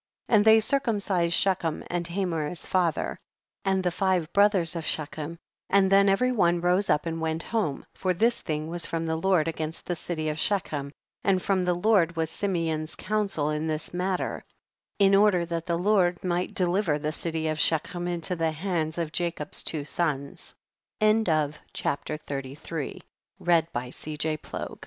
52. And they circumcised She chem and Hamor his father, and the five brothers of Shechem, and then every one rose up and went home, for this thing was from the Lord against the city of Shechem, and from the Lord was Simeon's coun sel in this matter, in order that the Lord might deliver the city of She chem into the hands of Jacob's two sons. CHAPTER XXXIV. 1. Andthenumber of